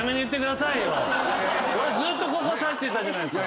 俺ずっとここ指してたじゃないですか。